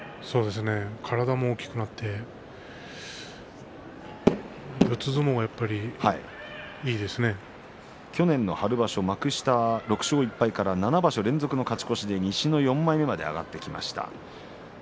体も大きくなって去年、春場所幕下６勝１敗から７場所連続勝ち越して西の４枚目まで上がってきました。